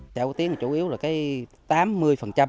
sở quả tiến chủ yếu là cái tám mươi